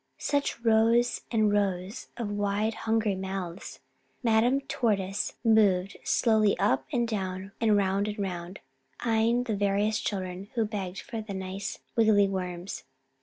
Such rows and rows of wide hungry mouths! Madame Tortoise moved slowly up and down and round and round, eyeing the various children who begged for the nice wiggly worms.